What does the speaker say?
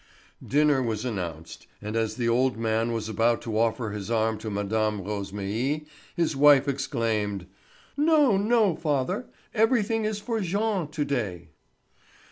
Dinner was announced, and as the old man was about to offer his arm to Mme. Rosémilly, his wife exclaimed: "No, no, father. Everything is for Jean to day."